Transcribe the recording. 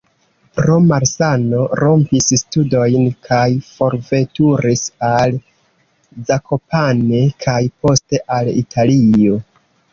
Pro malsano rompis studojn kaj forveturis al Zakopane, kaj poste al Italio.